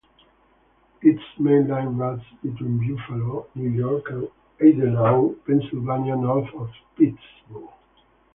Its main line runs between Buffalo, New York and Eidenau, Pennsylvania, north of Pittsburgh.